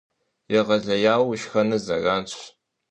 Егъэлеяуэ ушхэныр зэранщ.